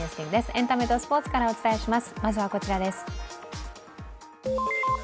エンタメとスポーツからお伝えします。